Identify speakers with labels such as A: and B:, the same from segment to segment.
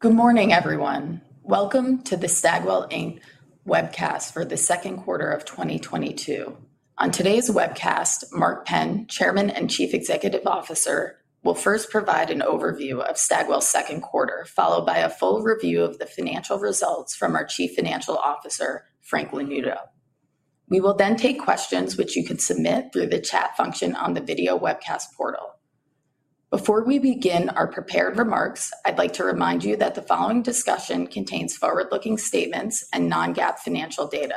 A: Good morning, everyone. Welcome to the Stagwell Inc webcast for the second quarter of 2022. On today's webcast, Mark Penn, Chairman and Chief Executive Officer, will first provide an overview of Stagwell's second quarter, followed by a full review of the financial results from our Chief Financial Officer, Frank Lanuto. We will then take questions which you can submit through the chat function on the video webcast portal. Before we begin our prepared remarks, I'd like to remind you that the following discussion contains forward-looking statements and non-GAAP financial data.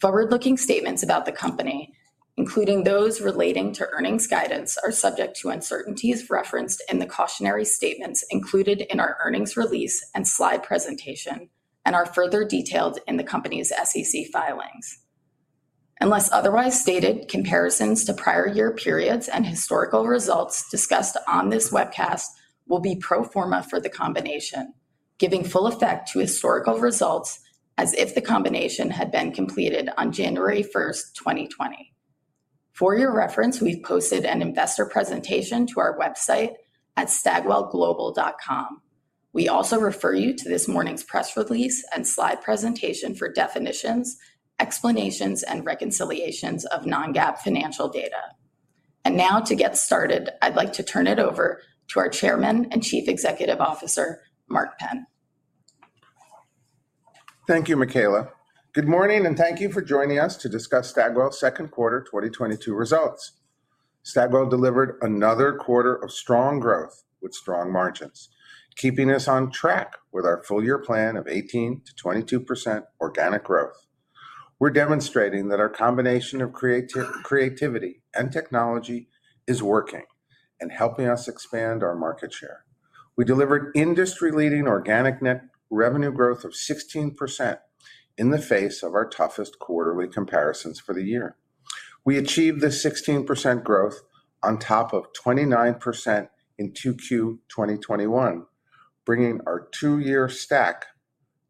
A: Forward-looking statements about the company, including those relating to earnings guidance, are subject to uncertainties referenced in the cautionary statements included in our earnings release and slide presentation and are further detailed in the company's SEC filings. Unless otherwise stated, comparisons to prior year periods and historical results discussed on this webcast will be pro forma for the combination, giving full effect to historical results as if the combination had been completed on January 1st, 2020. For your reference, we've posted an investor presentation to our website at stagwellglobal.com. We also refer you to this morning's press release and slide presentation for definitions, explanations, and reconciliations of non-GAAP financial data. Now to get started, I'd like to turn it over to our Chairman and Chief Executive Officer, Mark Penn.
B: Thank you, Michaela. Good morning, and thank you for joining us to discuss Stagwell's second quarter 2022 results. Stagwell delivered another quarter of strong growth with strong margins, keeping us on track with our full year plan of 18%-22% organic growth. We're demonstrating that our combination of creativity and technology is working and helping us expand our market share. We delivered industry-leading organic net revenue growth of 16% in the face of our toughest quarterly comparisons for the year. We achieved this 16% growth on top of 29% in 2Q 2021, bringing our two-year stack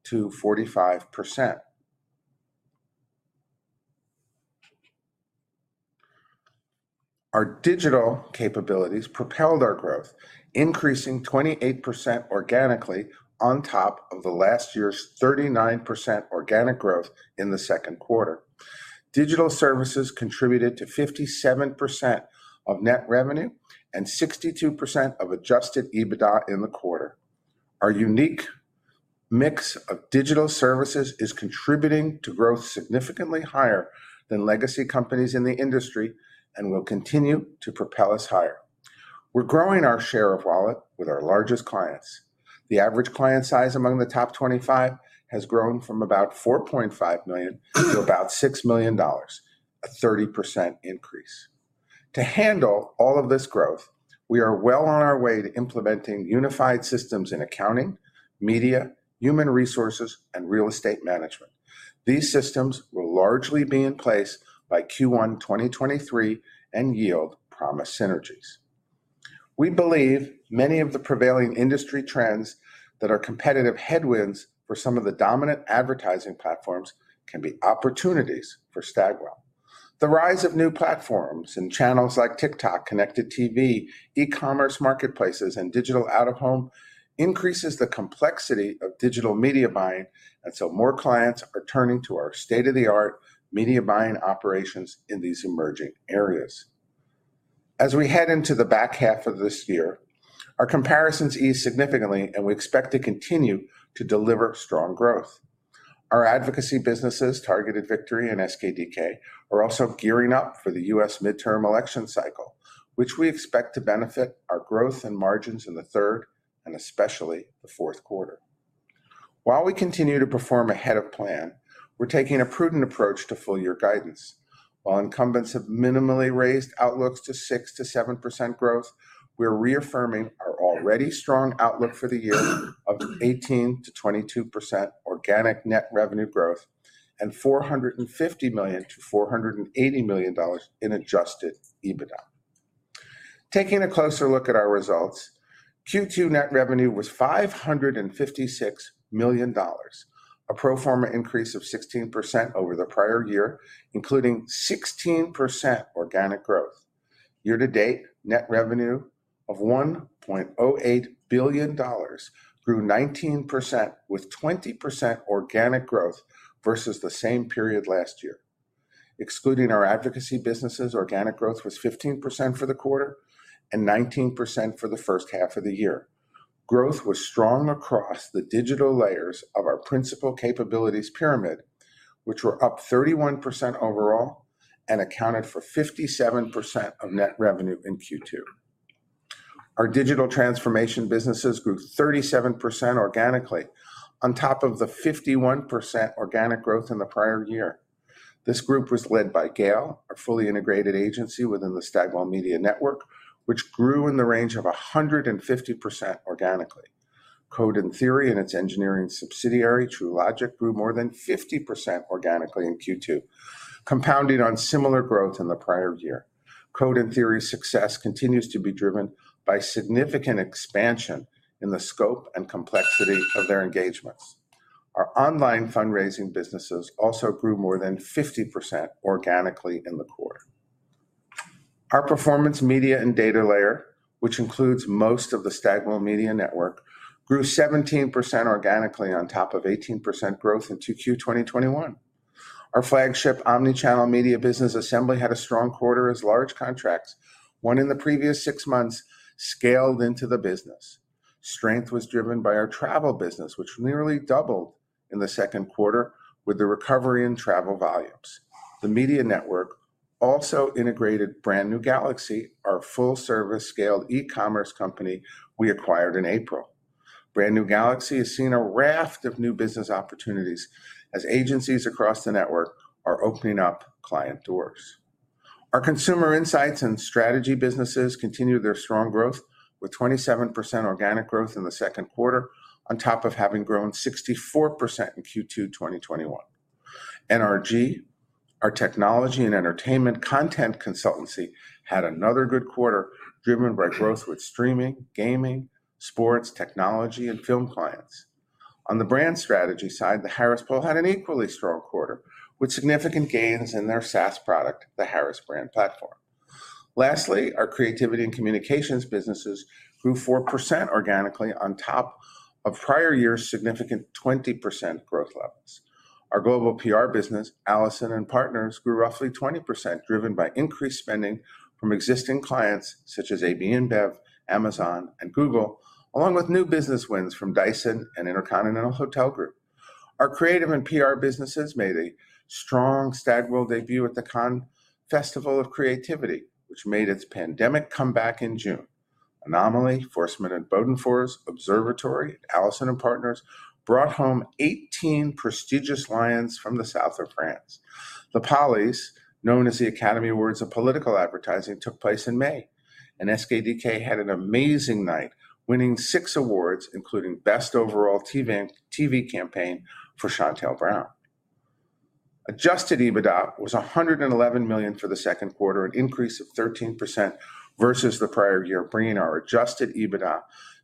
B: to 45%. Our digital capabilities propelled our growth, increasing 28% organically on top of the last year's 39% organic growth in the second quarter. Digital services contributed to 57% of net revenue and 62% of adjusted EBITDA in the quarter. Our unique mix of digital services is contributing to growth significantly higher than legacy companies in the industry and will continue to propel us higher. We're growing our share of wallet with our largest clients. The average client size among the top 25 has grown from about $4.5 million to about $6 million, a 30% increase. To handle all of this growth, we are well on our way to implementing unified systems in accounting, media, human resources, and real estate management. These systems will largely be in place by Q1 2023 and yield promise synergies. We believe many of the prevailing industry trends that are competitive headwinds for some of the dominant advertising platforms can be opportunities for Stagwell. The rise of new platforms and channels like TikTok, connected TV, e-commerce marketplaces, and digital out-of-home increases the complexity of digital media buying, and so more clients are turning to our state-of-the-art media buying operations in these emerging areas. As we head into the back half of this year, our comparisons ease significantly, and we expect to continue to deliver strong growth. Our advocacy businesses, Targeted Victory and SKDK, are also gearing up for the U.S. midterm election cycle, which we expect to benefit our growth and margins in the third and especially the fourth quarter. While we continue to perform ahead of plan, we're taking a prudent approach to full year guidance. While incumbents have minimally raised outlooks to 6%-7% growth, we're reaffirming our already strong outlook for the year of 18%-22% organic net revenue growth and $450 million-$480 million in adjusted EBITDA. Taking a closer look at our results, Q2 net revenue was $556 million, a pro forma increase of 16% over the prior year, including 16% organic growth. Year-to-date, net revenue of $1.08 billion grew 19% with 20% organic growth versus the same period last year. Excluding our advocacy businesses, organic growth was 15% for the quarter and 19% for the first half of the year. Growth was strong across the digital layers of our principal capabilities pyramid, which were up 31% overall and accounted for 57% of net revenue in Q2. Our digital transformation businesses grew 37% organically on top of the 51% organic growth in the prior year. This group was led by GALE, our fully integrated agency within the Stagwell Media Network, which grew in the range of 150% organically. Code and Theory and its engineering subsidiary, Truelogic, grew more than 50% organically in Q2, compounding on similar growth in the prior year. Code and Theory's success continues to be driven by significant expansion in the scope and complexity of their engagements. Our online fundraising businesses also grew more than 50% organically in the quarter. Our performance media and data layer, which includes most of the Stagwell Media Network, grew 17% organically on top of 18% growth in 2Q 2021. Our flagship omni-channel media business Assembly had a strong quarter as large contracts won in the previous six months scaled into the business. Strength was driven by our travel business, which nearly doubled in the second quarter with the recovery in travel volumes. The media network also integrated Brand New Galaxy, our full-service scaled e-commerce company we acquired in April. Brand New Galaxy has seen a raft of new business opportunities as agencies across the network are opening up client doors. Our consumer insights and strategy businesses continued their strong growth with 27% organic growth in the second quarter on top of having grown 64% in Q2 2021. NRG, our technology and entertainment content consultancy, had another good quarter driven by growth with streaming, gaming, sports, technology, and film clients. On the brand strategy side, The Harris Poll had an equally strong quarter, with significant gains in their SaaS product, the Harris Brand Platform. Lastly, our creativity and communications businesses grew 4% organically on top of prior year's significant 20% growth levels. Our global PR business, Allison+Partners, grew roughly 20%, driven by increased spending from existing clients such as AB InBev, Amazon, and Google, along with new business wins from Dyson and InterContinental Hotels Group. Our creative and PR businesses made a strong Stagwell debut at the Cannes Festival of Creativity, which made its pandemic comeback in June. Anomaly, Forsman & Bodenfors, Observatory, and Allison+Partners brought home 18 prestigious Lions from the south of France. The Pollies, known as the Academy Awards of Political Advertising, took place in May, and SKDK had an amazing night, winning six awards, including Best Overall TV Campaign for Shontel Brown. Adjusted EBITDA was $111 million for the second quarter, an increase of 13% versus the prior year, bringing our adjusted EBITDA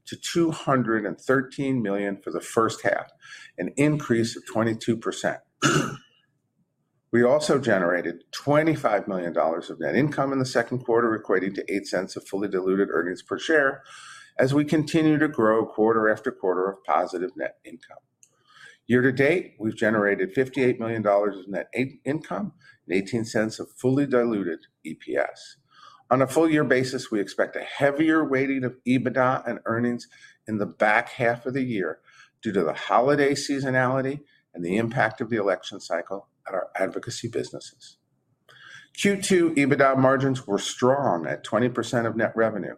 B: to $213 million for the first half, an increase of 22%. We also generated $25 million of net income in the second quarter, equating to $0.08 of fully diluted earnings per share as we continue to grow quarter after quarter of positive net income. Year-to-date, we've generated $58 million in net income and $0.18 of fully diluted EPS. On a full year basis, we expect a heavier weighting of EBITDA and earnings in the back half of the year due to the holiday seasonality and the impact of the election cycle at our advocacy businesses. Q2 EBITDA margins were strong at 20% of net revenue.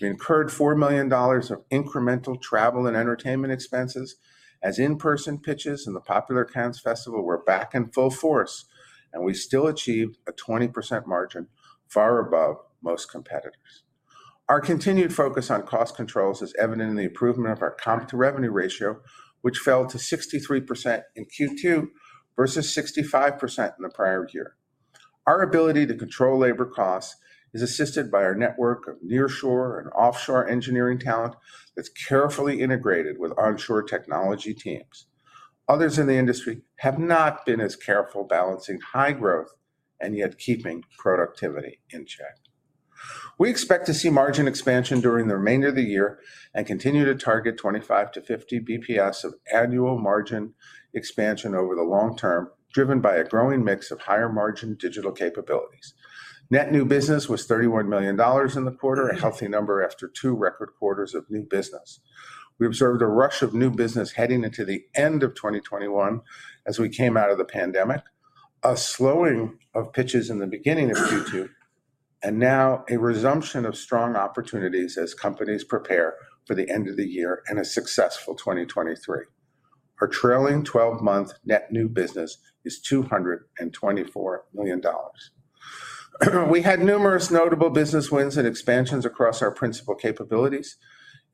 B: We incurred $4 million of incremental travel and entertainment expenses as in-person pitches and the popular Cannes Festival were back in full force, and we still achieved a 20% margin far above most competitors. Our continued focus on cost controls is evident in the improvement of our comp to revenue ratio, which fell to 63% in Q2 versus 65% in the prior year. Our ability to control labor costs is assisted by our network of nearshore and offshore engineering talent that's carefully integrated with onshore technology teams. Others in the industry have not been as careful balancing high growth and yet keeping productivity in check. We expect to see margin expansion during the remainder of the year and continue to target 25-50 basis points of annual margin expansion over the long term, driven by a growing mix of higher margin digital capabilities. Net new business was $31 million in the quarter, a healthy number after two record quarters of new business. We observed a rush of new business heading into the end of 2021 as we came out of the pandemic, a slowing of pitches in the beginning of Q2, and now a resumption of strong opportunities as companies prepare for the end of the year and a successful 2023. Our trailing 12-month net new business is $224 million. We had numerous notable business wins and expansions across our principal capabilities.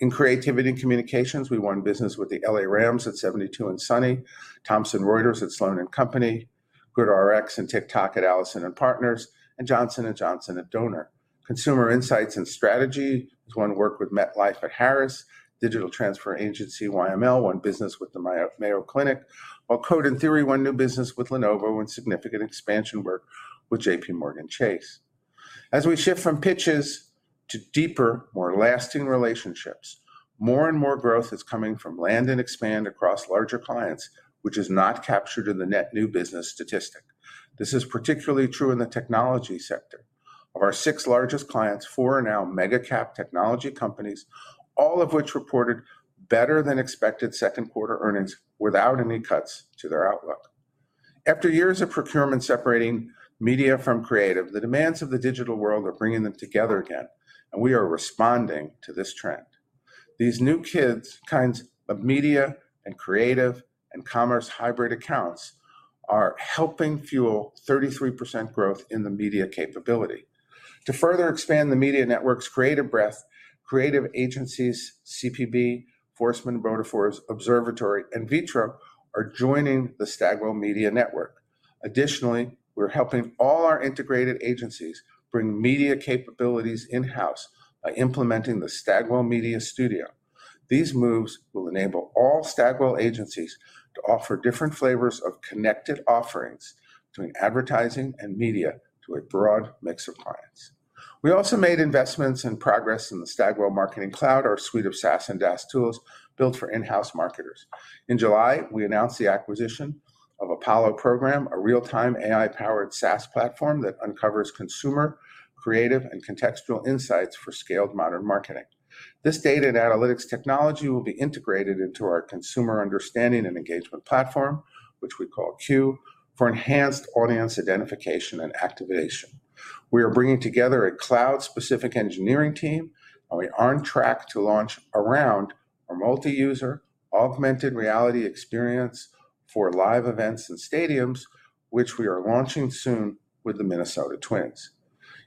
B: In creativity and communications, we won business with the LA Rams at 72andSunny, Thomson Reuters at Sloane & Company, GoodRx and TikTok at Allison+Partners, and Johnson & Johnson at Doner. Consumer insights and strategy has won work with MetLife at Harris. Digital transformation agency YML won business with the Mayo Clinic, while Code and Theory won new business with Lenovo and significant expansion work with JPMorgan Chase. As we shift from pitches to deeper, more lasting relationships, more and more growth is coming from land and expand across larger clients, which is not captured in the net new business statistic. This is particularly true in the technology sector. Of our six largest clients, four are now mega cap technology companies, all of which reported better than expected second quarter earnings without any cuts to their outlook. After years of procurement separating media from creative, the demands of the digital world are bringing them together again, and we are responding to this trend. These new kinds of media and creative and commerce hybrid accounts are helping fuel 33% growth in the media capability. To further expand the media network's creative breadth, creative agencies CP+B, Forsman & Bodenfors, Observatory, and Vitro are joining the Stagwell Media Network. Additionally, we're helping all our integrated agencies bring media capabilities in-house by implementing the Stagwell Media Studio. These moves will enable all Stagwell agencies to offer different flavors of connected offerings between advertising and media to a broad mix of clients. We also made investments and progress in the Stagwell Marketing Cloud, our suite of SaaS and DaaS tools built for in-house marketers. In July, we announced the acquisition of Apollo Program, a real-time AI-powered SaaS platform that uncovers consumer, creative, and contextual insights for scaled modern marketing. This data and analytics technology will be integrated into our consumer understanding and engagement platform, which we call Q, for enhanced audience identification and activation. We are bringing together a cloud-specific engineering team, and we are on track to launch around our multi-user augmented reality experience for live events and stadiums, which we are launching soon with the Minnesota Twins.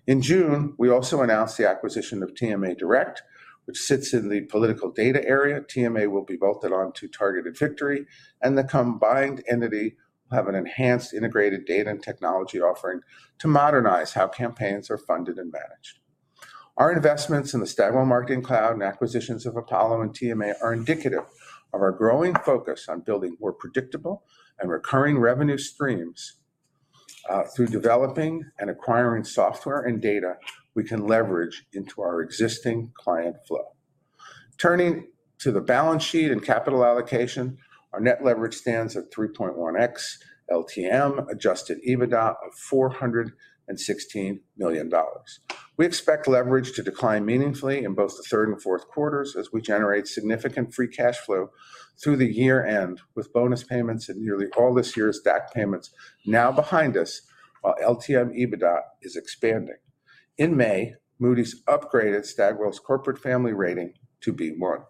B: In June, we also announced the acquisition of TMA Direct, which sits in the political data area. TMA will be bolted on to Targeted Victory, and the combined entity will have an enhanced integrated data and technology offering to modernize how campaigns are funded and managed. Our investments in the Stagwell Marketing Cloud and acquisitions of Apollo and TMA are indicative of our growing focus on building more predictable and recurring revenue streams through developing and acquiring software and data we can leverage into our existing client flow. Turning to the balance sheet and capital allocation, our net leverage stands at 3.1x LTM adjusted EBITDA of $416 million. We expect leverage to decline meaningfully in both the third and fourth quarters as we generate significant free cash flow through the year-end, with bonus payments and nearly all this year's DAC payments now behind us, while LTM EBITDA is expanding. In May, Moody's upgraded Stagwell's corporate family rating to B1.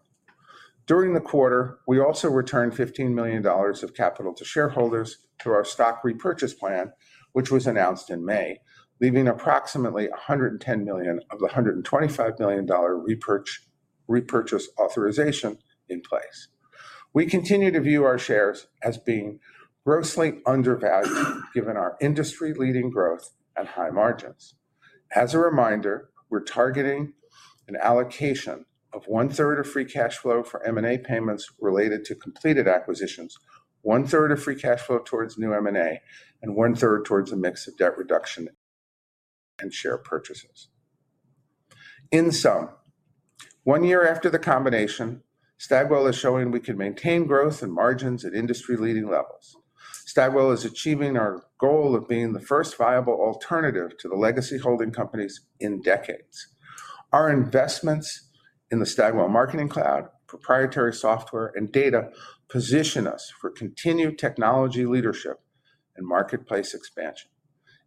B: During the quarter, we also returned $15 million of capital to shareholders through our stock repurchase plan, which was announced in May, leaving approximately $110 million of the $125 million repurchase authorization in place. We continue to view our shares as being grossly undervalued given our industry-leading growth and high margins. As a reminder, we're targeting an allocation of 1/3 of free cash flow for M&A payments related to completed acquisitions, 1/3 of free cash flow towards new M&A, and 1/3 towards a mix of debt reduction and share purchases. In sum, one year after the combination, Stagwell is showing we can maintain growth and margins at industry-leading levels. Stagwell is achieving our goal of being the first viable alternative to the legacy holding companies in decades. Our investments in the Stagwell Marketing Cloud, proprietary software, and data position us for continued technology leadership and marketplace expansion.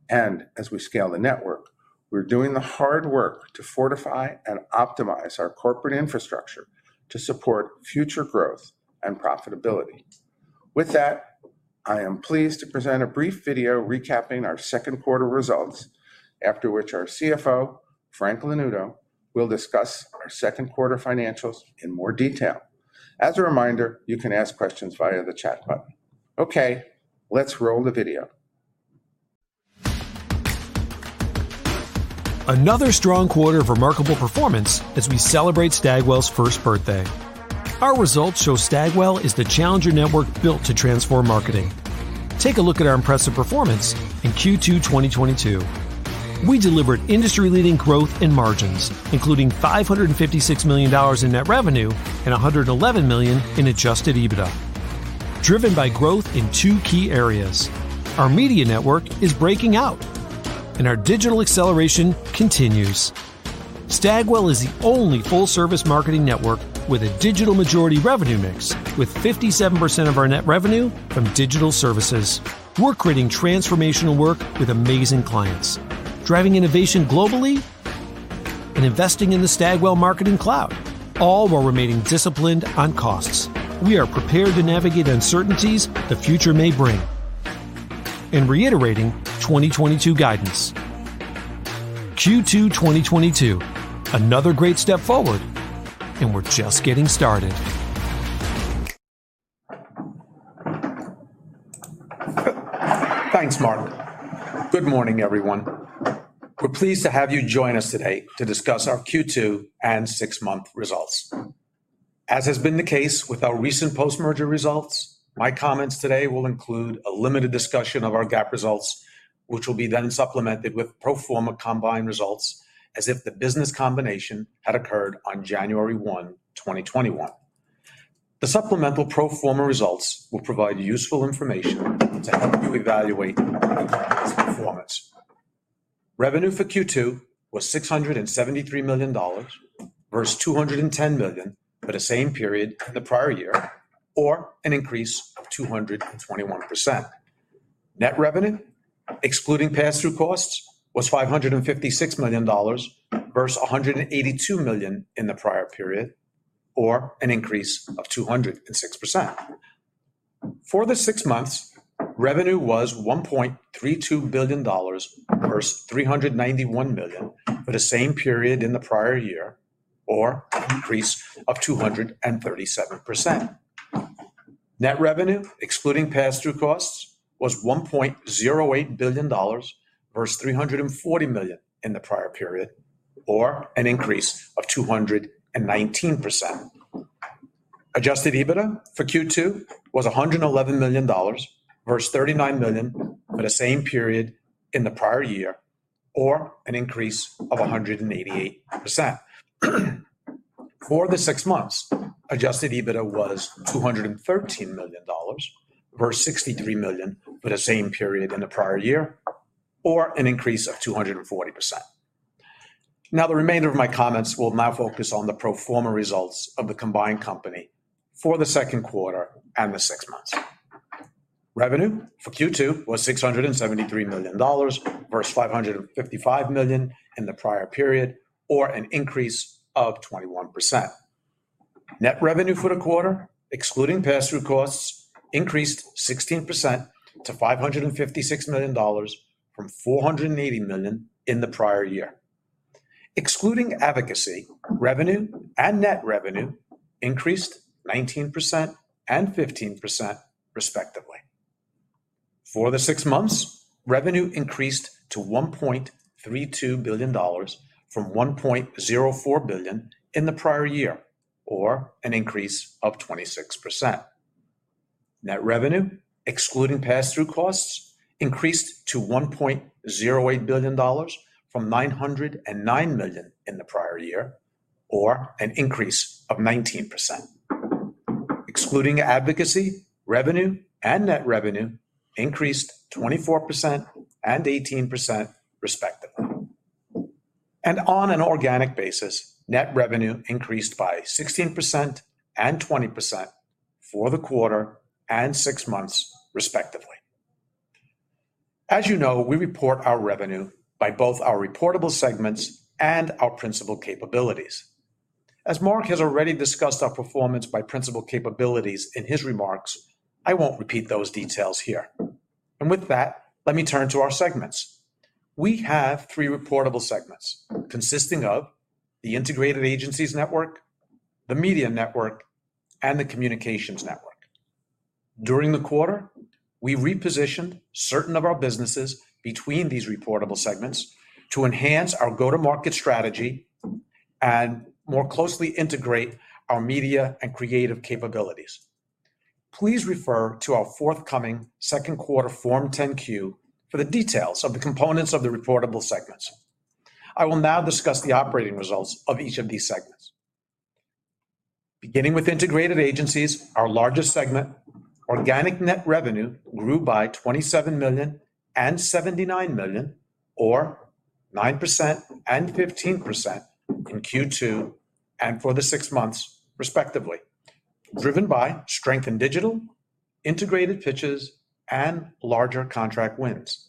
B: As we scale the network, we're doing the hard work to fortify and optimize our corporate infrastructure to support future growth and profitability. With that, I am pleased to present a brief video recapping our second quarter results, after which our CFO, Frank Lanuto, will discuss our second quarter financials in more detail. As a reminder, you can ask questions via the chat button. Okay, let's roll the video.
C: Another strong quarter of remarkable performance as we celebrate Stagwell's first birthday. Our results show Stagwell is the challenger network built to transform marketing. Take a look at our impressive performance in Q2 2022. We delivered industry-leading growth and margins, including $556 million in net revenue and $111 million in adjusted EBITDA, driven by growth in two key areas. Our media network is breaking out, and our digital acceleration continues. Stagwell is the only full-service marketing network with a digital majority revenue mix with 57% of our net revenue from digital services. We're creating transformational work with amazing clients, driving innovation globally and investing in the Stagwell Marketing Cloud, all while remaining disciplined on costs. We are prepared to navigate uncertainties the future may bring and reiterating 2022 guidance. Q2 2022, another great step forward, and we're just getting started.
D: Thanks, Mark. Good morning, everyone. We're pleased to have you join us today to discuss our Q2 and six-month results. As has been the case with our recent post-merger results, my comments today will include a limited discussion of our GAAP results, which will be then supplemented with pro forma combined results as if the business combination had occurred on January 1, 2021. The supplemental pro forma results will provide useful information to help you evaluate our current performance. Revenue for Q2 was $673 million versus $210 million for the same period in the prior year, or an increase of 221%. Net revenue, excluding pass-through costs, was $556 million versus $182 million in the prior period, or an increase of 206%. For the six months, revenue was $1.32 billion versus $391 million for the same period in the prior year, or an increase of 237%. Net revenue, excluding pass-through costs, was $1.08 billion versus $340 million in the prior period, or an increase of 219%. Adjusted EBITDA for Q2 was $111 million versus $39 million for the same period in the prior year, or an increase of 188%. For the six months, adjusted EBITDA was $213 million versus $63 million for the same period in the prior year, or an increase of 240%. Now, the remainder of my comments will now focus on the pro forma results of the combined company for the second quarter and the six months. Revenue for Q2 was $673 million versus $555 million in the prior period or an increase of 21%. Net revenue for the quarter, excluding pass-through costs, increased 16% to $556 million from $480 million in the prior year. Excluding advocacy, revenue and net revenue increased 19% and 15% respectively. For the six months, revenue increased to $1.32 billion from $1.04 billion in the prior year or an increase of 26%. Net revenue, excluding pass-through costs, increased to $1.08 billion from $909 million in the prior year or an increase of 19%. Excluding advocacy, revenue and net revenue increased 24% and 18% respectively. On an organic basis, net revenue increased by 16% and 20% for the quarter and six months respectively. As you know, we report our revenue by both our reportable segments and our principal capabilities. As Mark has already discussed our performance by principal capabilities in his remarks, I won't repeat those details here. With that, let me turn to our segments. We have three reportable segments consisting of the integrated agencies network, the media network, and the communications network. During the quarter, we repositioned certain of our businesses between these reportable segments to enhance our go-to-market strategy and more closely integrate our media and creative capabilities. Please refer to our forthcoming second quarter Form 10-Q for the details of the components of the reportable segments. I will now discuss the operating results of each of these segments. Beginning with integrated agencies, our largest segment, organic net revenue grew by $27 million and $79 million, or 9% and 15% in Q2 and for the six months respectively, driven by strength in digital, integrated pitches, and larger contract wins.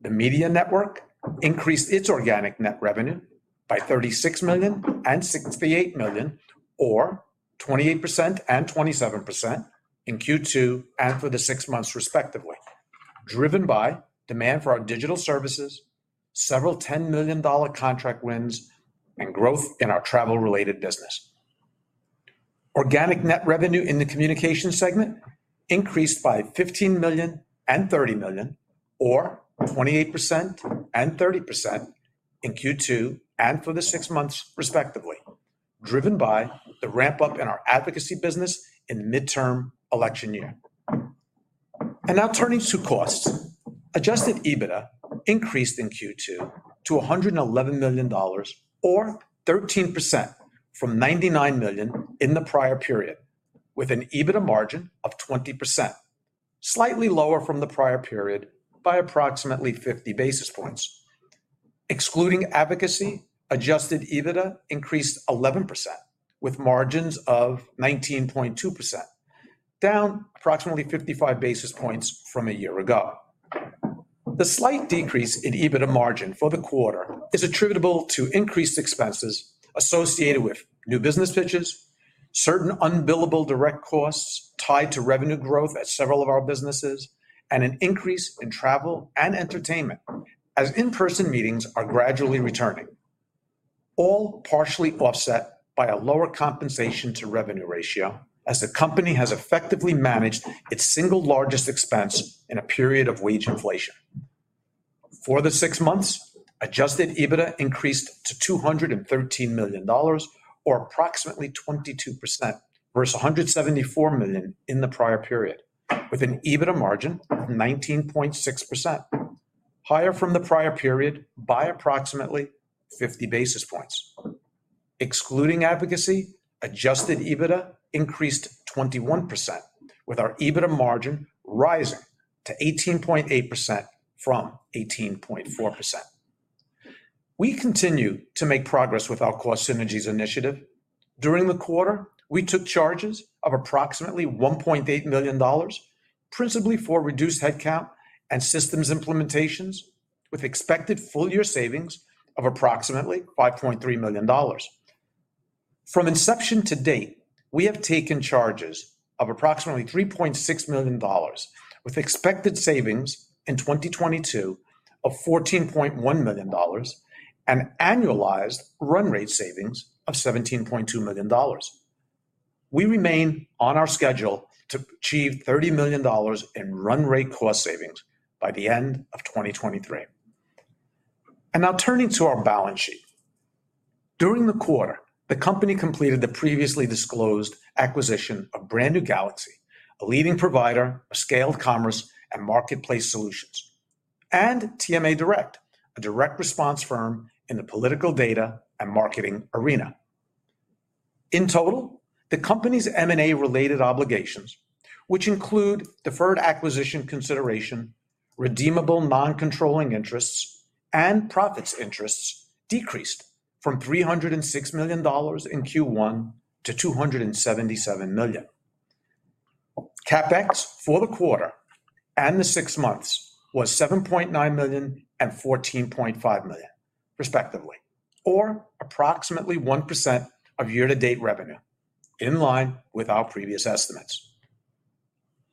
D: The media network increased its organic net revenue by $36 million and $68 million, or 28% and 27% in Q2 and for the six months respectively, driven by demand for our digital services, several $10 million contract wins, and growth in our travel-related business. Organic net revenue in the communication segment increased by $15 million and $30 million, or 28% and 30% in Q2 and for the six months respectively, driven by the ramp-up in our advocacy business in the midterm election year. Now turning to costs. Adjusted EBITDA increased in Q2 to $111 million or 13% from $99 million in the prior period, with an EBITDA margin of 20%, slightly lower from the prior period by approximately 50 basis points. Excluding advocacy, adjusted EBITDA increased 11% with margins of 19.2%, down approximately 55 basis points from a year ago. The slight decrease in EBITDA margin for the quarter is attributable to increased expenses associated with new business pitches, certain unbillable direct costs tied to revenue growth at several of our businesses, and an increase in travel and entertainment as in-person meetings are gradually returning. All partially offset by a lower compensation-to-revenue ratio as the company has effectively managed its single largest expense in a period of wage inflation. For the six months, adjusted EBITDA increased to $213 million or approximately 22% versus $174 million in the prior period, with an EBITDA margin of 19.6%, higher from the prior period by approximately 50 basis points. Excluding advocacy, adjusted EBITDA increased 21%, with our EBITDA margin rising to 18.8% from 18.4%. We continue to make progress with our cost synergies initiative. During the quarter, we took charges of approximately $1.8 million, principally for reduced headcount and systems implementations, with expected full-year savings of approximately $5.3 million. From inception to date, we have taken charges of approximately $3.6 million with expected savings in 2022 of $14.1 million and annualized run rate savings of $17.2 million. We remain on our schedule to achieve $30 million in run rate cost savings by the end of 2023. Now turning to our balance sheet. During the quarter, the company completed the previously disclosed acquisition of Brand New Galaxy, a leading provider of scaled commerce and marketplace solutions, and TMA Direct, a direct response firm in the political data and marketing arena. In total, the company's M&A-related obligations, which include deferred acquisition consideration, redeemable non-controlling interests, and profits interests, decreased from $306 million in Q1 to $277 million. CapEx for the quarter and the six months was $7.9 million and $14.5 million, respectively, or approximately 1% of year-to-date revenue, in line with our previous estimates.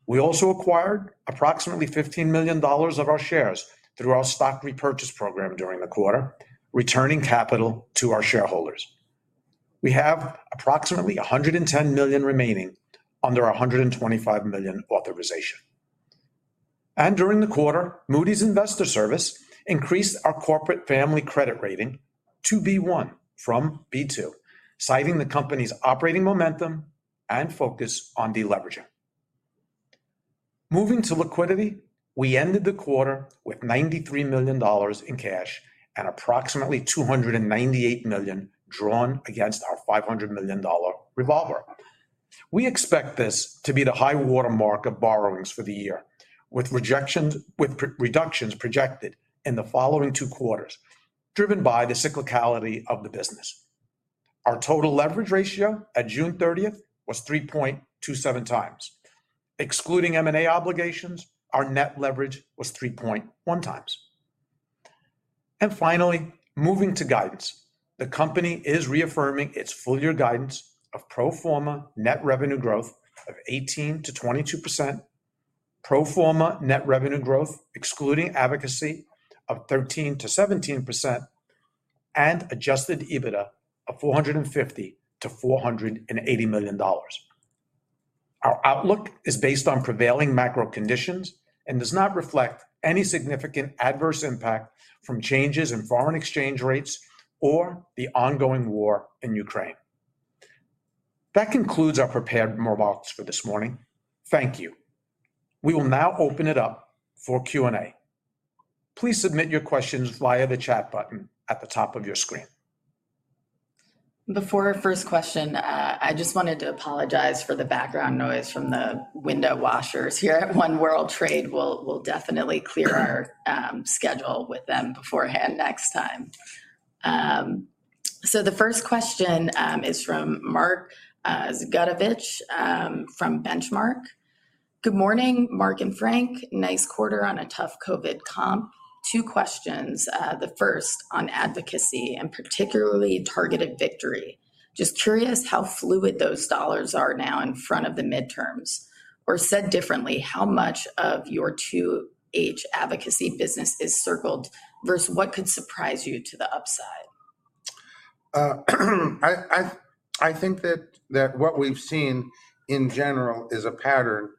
D: We also acquired approximately $15 million of our shares through our stock repurchase program during the quarter, returning capital to our shareholders. We have approximately $110 million remaining under our $125 million authorization. During the quarter, Moody's Investors Service increased our corporate family credit rating to B1 from B2, citing the company's operating momentum and focus on deleveraging. Moving to liquidity, we ended the quarter with $93 million in cash and approximately $298 million drawn against our $500 million revolver. We expect this to be the high-water mark of borrowings for the year, with reductions projected in the following two quarters, driven by the cyclicality of the business. Our total leverage ratio at June 30th was 3.27x. Excluding M&A obligations, our net leverage was 3.1x. Finally, moving to guidance. The company is reaffirming its full-year guidance of pro forma net revenue growth of 18%-22%, pro forma net revenue growth excluding advocacy of 13%-17%, and adjusted EBITDA of $450 million-$480 million. Our outlook is based on prevailing macro conditions and does not reflect any significant adverse impact from changes in foreign exchange rates or the ongoing war in Ukraine. That concludes our prepared remarks for this morning. Thank you. We will now open it up for Q&A. Please submit your questions via the chat button at the top of your screen.
A: Before our first question, I just wanted to apologize for the background noise from the window washers here at One World Trade. We'll definitely clear our schedule with them beforehand next time. So the first question is from Mark Zgutowicz from Benchmark. Good morning, Mark and Frank. Nice quarter on a tough COVID comp. Two questions. The first on advocacy and particularly Targeted Victory. Just curious how fluid those dollars are now in front of the midterms, or said differently, how much of your 2H advocacy business is circled versus what could surprise you to the upside?
B: I think that what we've seen in general is a pattern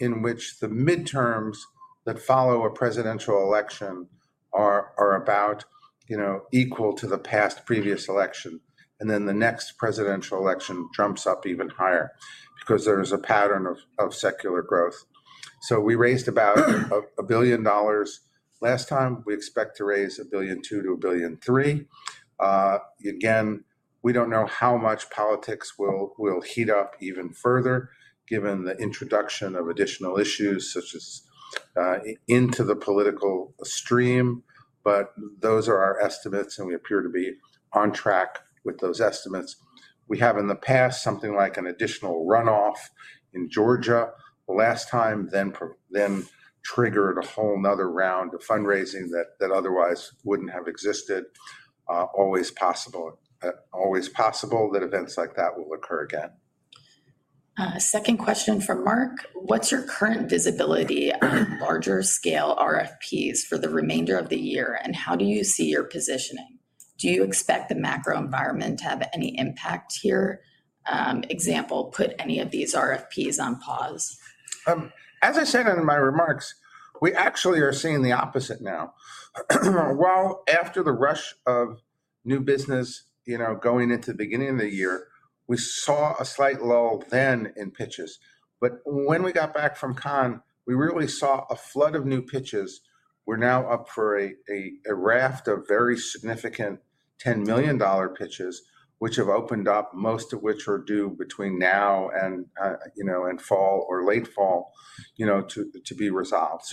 B: in which the midterms that follow a presidential election are about, you know, equal to the past previous election. Then the next presidential election jumps up even higher because there's a pattern of secular growth. We raised about $1 billion last time. We expect to raise $1.2 billion-$1.3 billion. Again, we don't know how much politics will heat up even further given the introduction of additional issues such as into the political stream, but those are our estimates, and we appear to be on track with those estimates. We have in the past something like an additional runoff in Georgia last time, then triggered a whole another round of fundraising that otherwise wouldn't have existed. Always possible that events like that will occur again.
A: Second question from Mark: What's your current visibility on larger scale RFPs for the remainder of the year, and how do you see your positioning? Do you expect the macro environment to have any impact here? For example, put any of these RFPs on pause?
B: As I said in my remarks, we actually are seeing the opposite now. While after the rush of new business, you know, going into the beginning of the year, we saw a slight lull then in pitches. When we got back from Cannes, we really saw a flood of new pitches. We're now up for a raft of very significant $10 million pitches which have opened up, most of which are due between now and, you know, in fall or late fall, you know, to be resolved.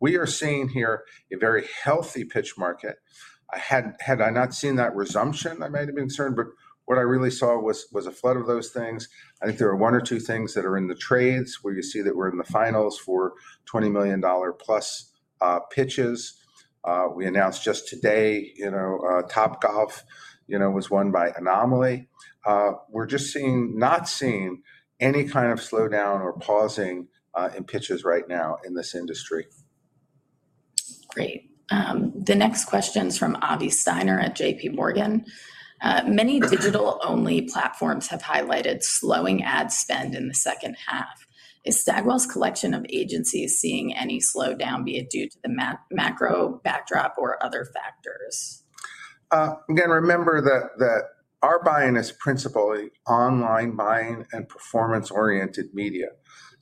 B: We are seeing here a very healthy pitch market. Had I not seen that resumption, I might have been concerned, but what I really saw was a flood of those things. I think there are one or two things that are in the trades where you see that we're in the finals for $20 million+ pitches. We announced just today, you know, Topgolf, you know, was won by Anomaly. We're just not seeing any kind of slowdown or pausing in pitches right now in this industry.
A: Great. The next question's from Avi Steiner at JPMorgan. Many digital-only platforms have highlighted slowing ad spend in the second half. Is Stagwell's collection of agencies seeing any slowdown, be it due to the macro backdrop or other factors?
B: Again, remember that our buying is principally online buying and performance-oriented media.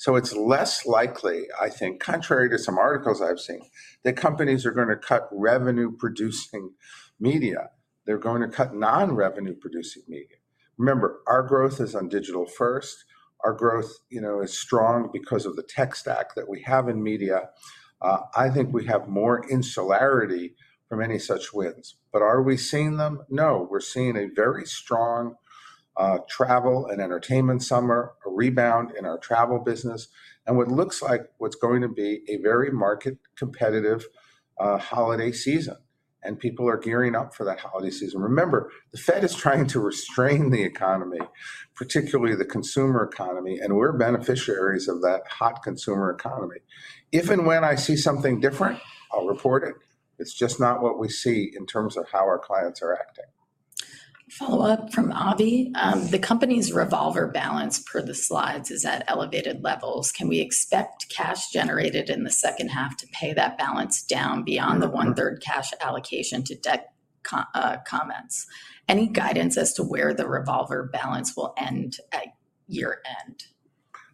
B: It's less likely, I think, contrary to some articles I've seen, that companies are gonna cut revenue-producing media. They're going to cut non-revenue producing media. Remember, our growth is on digital first. Our growth, you know, is strong because of the tech stack that we have in media. I think we have more insularity from any such winds. Are we seeing them? No. We're seeing a very strong travel and entertainment summer, a rebound in our travel business, and what looks like what's going to be a very market competitive holiday season, and people are gearing up for that holiday season. Remember, the Fed is trying to restrain the economy, particularly the consumer economy, and we're beneficiaries of that hot consumer economy. If and when I see something different, I'll report it. It's just not what we see in terms of how our clients are acting.
A: Follow-up from Avi. The company's revolver balance per the slides is at elevated levels. Can we expect cash generated in the second half to pay that balance down beyond the 1/3 cash allocation to debt, comments? Any guidance as to where the revolver balance will end at year-end?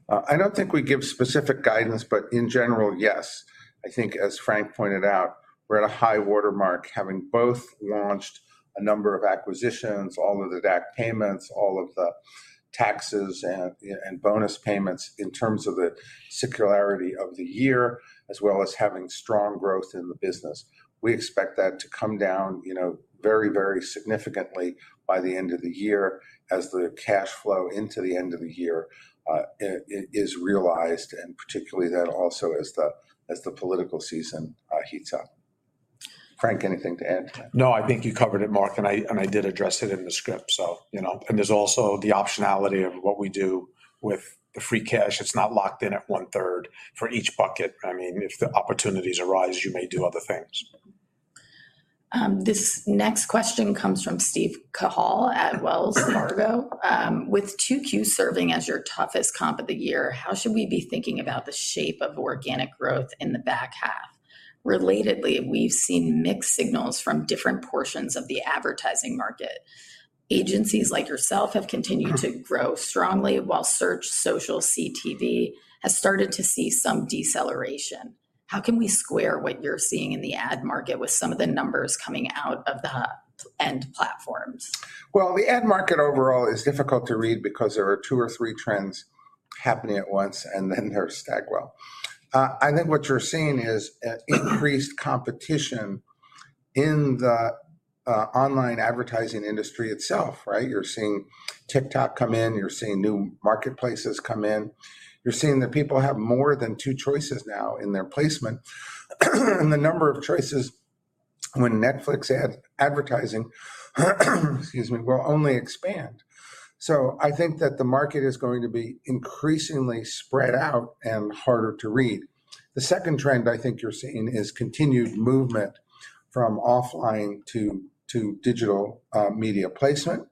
B: I don't think we give specific guidance, but in general, yes. I think as Frank pointed out, we're at a high water mark, having both launched a number of acquisitions, all of the DAC payments, all of the taxes and bonus payments in terms of the seasonality of the year, as well as having strong growth in the business. We expect that to come down, you know, very, very significantly by the end of the year as the cash flow into the end of the year is realized, and particularly that also as the political season heats up. Frank, anything to add?
D: No, I think you covered it, Mark, and I did address it in the script, so, you know. There's also the optionality of what we do with the free cash. It's not locked in at 1/3 for each bucket. I mean, if the opportunities arise, you may do other things.
A: This next question comes from Steve Cahall at Wells Fargo. With 2Q serving as your toughest comp of the year, how should we be thinking about the shape of organic growth in the back half? Relatedly, we've seen mixed signals from different portions of the advertising market. Agencies like yourself have continued to grow strongly while search social CTV has started to see some deceleration. How can we square what you're seeing in the ad market with some of the numbers coming out of the end platforms?
B: Well, the ad market overall is difficult to read because there are two or three trends happening at once, and then there's Stagwell. I think what you're seeing is an increased competition in the online advertising industry itself, right? You're seeing TikTok come in. You're seeing new marketplaces come in. You're seeing that people have more than two choices now in their placement, and the number of choices when Netflix advertising, excuse me, will only expand. So I think that the market is going to be increasingly spread out and harder to read. The second trend I think you're seeing is continued movement from offline to digital media placement.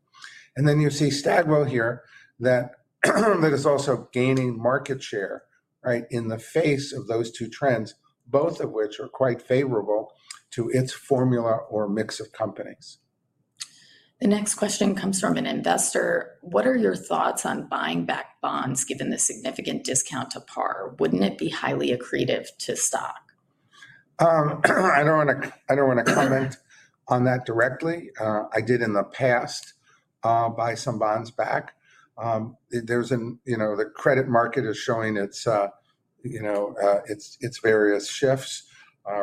B: You see Stagwell here that is also gaining market share, right, in the face of those two trends, both of which are quite favorable to its formula or mix of companies.
A: The next question comes from an investor. What are your thoughts on buying back bonds given the significant discount to par? Wouldn't it be highly accretive to stock?
B: I don't wanna comment on that directly. I did in the past buy some bonds back. There's you know, the credit market is showing its you know, its various shifts.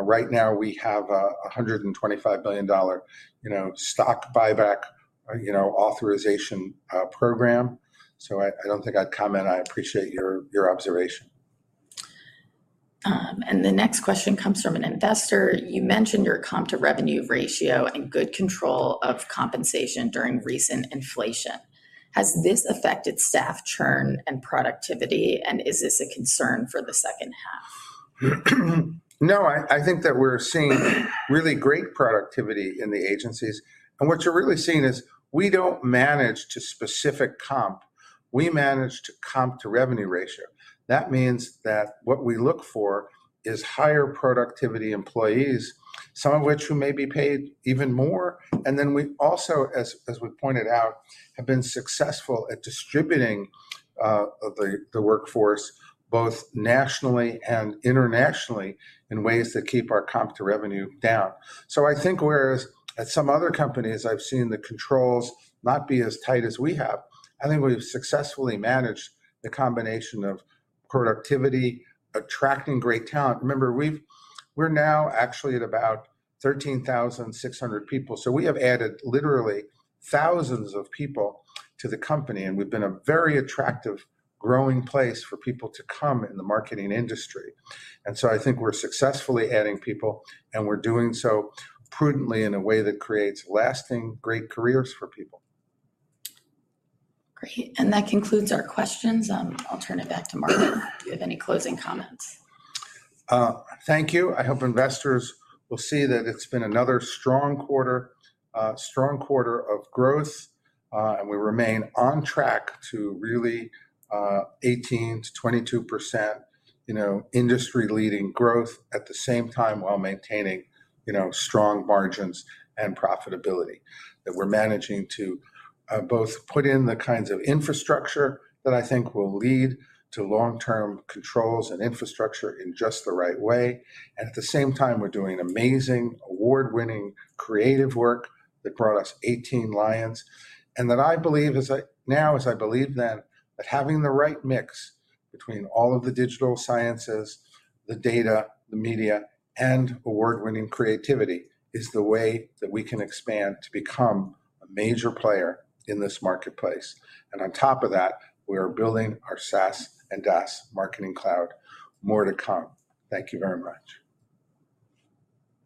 B: Right now we have a $125 billion you know, stock buyback you know, authorization program. I don't think I'd comment. I appreciate your observation.
A: The next question comes from an investor. You mentioned your comp to revenue ratio and good control of compensation during recent inflation. Has this affected staff churn and productivity, and is this a concern for the second half?
B: No. I think that we're seeing really great productivity in the agencies. What you're really seeing is we don't manage to specific comp. We manage to comp to revenue ratio. That means that what we look for is higher productivity employees, some of which who may be paid even more. Then we also, as we pointed out, have been successful at distributing the workforce both nationally and internationally in ways that keep our comp to revenue down. I think whereas at some other companies I've seen the controls not be as tight as we have, I think we've successfully managed the combination of productivity, attracting great talent. Remember, we're now actually at about 13,600 people, so we have added literally thousands of people to the company, and we've been a very attractive growing place for people to come in the marketing industry. I think we're successfully adding people, and we're doing so prudently in a way that creates lasting great careers for people.
A: Great. That concludes our questions. I'll turn it back to Mark. Do you have any closing comments?
B: Thank you. I hope investors will see that it's been another strong quarter of growth, and we remain on track to really, 18%-22%, you know, industry-leading growth at the same time while maintaining, you know, strong margins and profitability. That we're managing to both put in the kinds of infrastructure that I think will lead to long-term controls and infrastructure in just the right way, and at the same time we're doing amazing award-winning creative work that brought us 18 Lions. I believe as I now believed then, that having the right mix between all of the digital sciences, the data, the media, and award-winning creativity is the way that we can expand to become a major player in this marketplace. On top of that, we are building our SaaS and DaaS marketing cloud. More to come. Thank you very much.